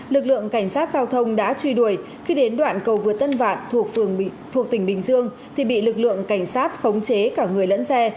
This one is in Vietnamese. lực lượng cảnh sát giao thông đã truy đuổi khi đến đoạn cầu vượt tân vạn thuộc phường thuộc tỉnh bình dương thì bị lực lượng cảnh sát khống chế cả người lẫn xe